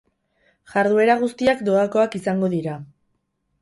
Jarduera guztiak doakoak izango dira.